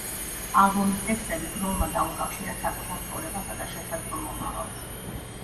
ალბომის ტექსტები გროლმა დაუკავშირა საკუთარ ცხოვრებასა და შესაძლო მომავალს.